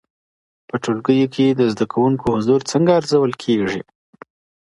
په ټولګیو کي د زده کوونکو حضور څنګه ارزول کېږي؟